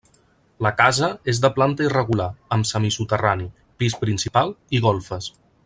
La casa és de planta irregular amb semisoterrani, pis principal i golfes.